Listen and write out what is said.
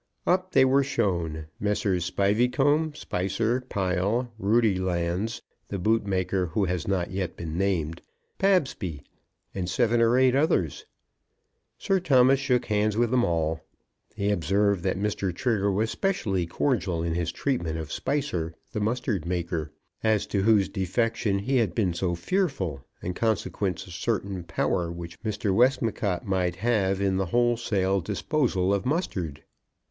Up they were shown, Messrs. Spiveycomb, Spicer, Pile, Roodylands, the bootmaker who has not yet been named, Pabsby, and seven or eight others. Sir Thomas shook hands with them all. He observed that Mr. Trigger was especially cordial in his treatment of Spicer, the mustard maker, as to whose defection he had been so fearful in consequence of certain power which Mr. Westmacott might have in the wholesale disposal of mustard.